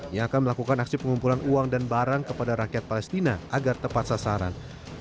yang akan melakukan aksi pengumpulan uang dan barang kepada rakyat palestina agar tepat sasaran